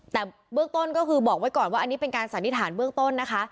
แต่เบื้องต้นก็คือบอกไว้ก่อนว่าอันนี้เป็นการสันนิษฐานเบื้องต้นนะคะ